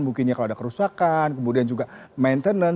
mungkin kalau ada kerusakan kemudian juga maintenance